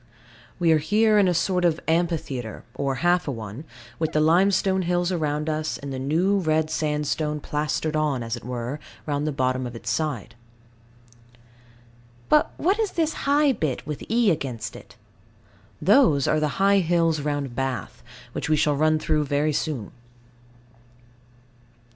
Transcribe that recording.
We are here in a sort of amphitheatre, or half a one, with the limestone hills around us, and the new red sandstone plastered on, as it were, round the bottom of it inside. But what is this high bit with E against it? Those are the high hills round Bath, which we shall run through soon.